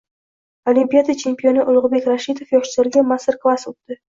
Olimpiada chempioni Ulug‘bek Rashidov yoshlarga master-klass o‘tdi